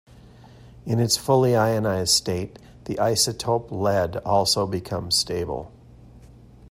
In its fully ionized state the isotope Pb also becomes stable.